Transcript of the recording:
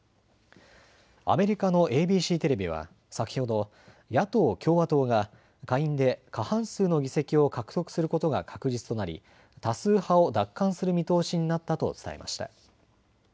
アメリカのＡＢＣテレビは先ほど野党・共和党が下院で過半数の議席を獲得することが確実となり多数派を奪還する見通しになったと伝えました。